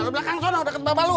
belakang sana deket bapak lu